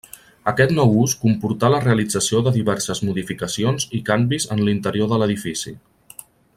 Aquest nou ús comportà la realització de diverses modificacions i canvis en l'interior de l'edifici.